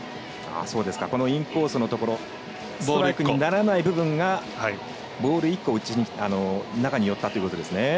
このインコースのところストライクにならない部分がボール１個中に寄ったということですね。